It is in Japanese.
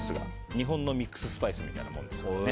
日本のミックススパイスみたいなものですからね。